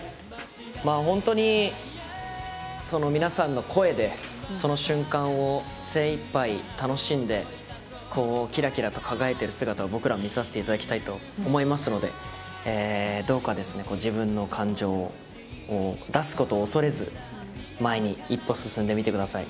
本当に皆さんの声でその瞬間を精いっぱい楽しんでキラキラと輝いている姿を僕らも見させていただきたいと思いますのでどうか、自分の感情を出すことを恐れず前に一歩進んでみてください。